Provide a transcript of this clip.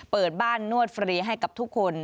เปิดบ้านนวดฟรีให้กับทุกคน